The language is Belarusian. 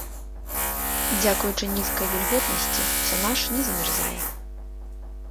Дзякуючы нізкай вільготнасці, сянаж не замярзае.